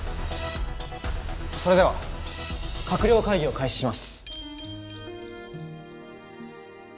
それでは閣僚会議を開始します。